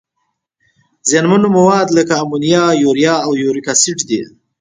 زیانمن مواد لکه امونیا، یوریا او یوریک اسید دي.